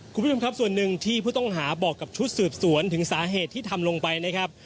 คุณผู้ชมครับส่วนหนึ่งที่ผู้ต้องหาบอกกับชุดสืบสวนถึงสาเหตุที่ทำลงไปนะครับ